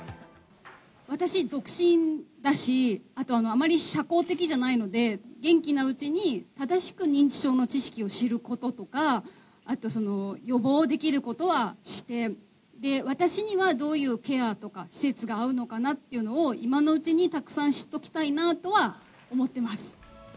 私、独身だし、あとあまり社交的じゃないので、元気なうちに正しく認知症の知識を知ることとか、あとその予防できることはして、で、私にはどういうケアとか施設が合うのかなっていうのを、今のうちにたくさん知っておきたいなとは思ってます。